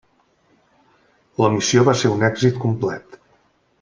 La missió va ser un èxit complet.